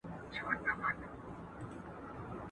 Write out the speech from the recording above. ¬ خپل کور اوماچک نه سي کولاى، د بل کره ماچې کوي.